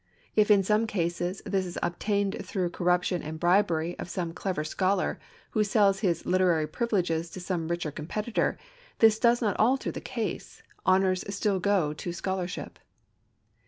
If in some cases this is obtained through corruption and bribery of some clever scholar who sells his literary privileges to some richer competitor, this does not alter the case; honors still go to scholarship.